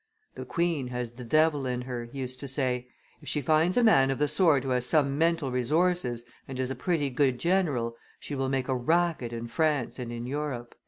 "The queen has the devil in her," he used to say; "if she finds a man of the sword who has some mental resources and is a pretty good general, she will make a racket in France and in Europe."